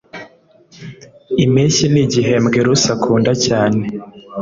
Impeshyi nigihembwe Lucy akunda cyane